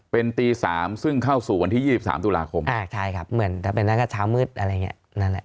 เป็นตี๓ซึ่งเข้าสู่วันที่๒๓ตุลาคมใช่ครับเหมือนจะเป็นนักชาวมืดอะไรอย่างนี้